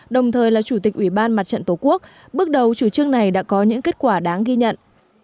đồng thời là chủ tịch ủy ban mặt trận tổ quốc bước đầu chủ trương này đã có những kết quả đáng ghi nhận